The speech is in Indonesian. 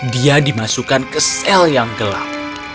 dia dimasukkan ke sel yang gelap